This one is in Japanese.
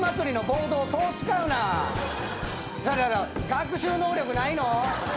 学習能力ないの？